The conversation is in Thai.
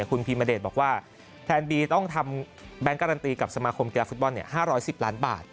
คุณพิมเดชบอกว่าแทนบีต้องทำแบงค์การันตีกับสมาคมกีฬาฟุตบอล๕๑๐ล้านบาท